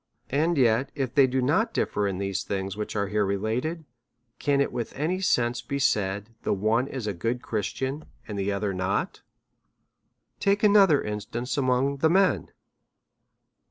And yet, if they do not differ in these things which are here related, can it with any sense be said the one is a good Christian and the other not? Take another instance amongst the men.